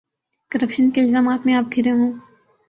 Corruption کے الزامات میں آپ گھرے ہوں۔